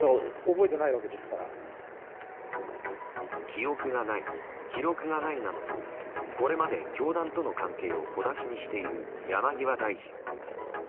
記憶がない、記録がないなどとこれまで教団との関係を小出しにしている山際大臣。